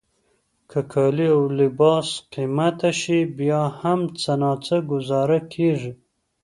که کالي او لباس قیمته شي بیا هم څه ناڅه ګوزاره کیږي.